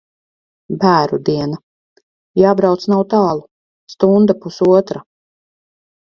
Bēru diena. Jābrauc nav tālu. Stunda, pusotra.